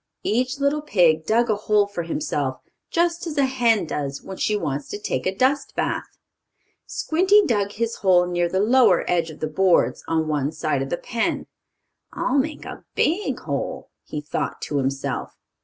Each little pig dug a hole for himself, just as a hen does when she wants to take a dust bath. Squinty dug his hole near the lower edge of the boards, on one side of the pen. "I'll make a big hole," he thought to himself.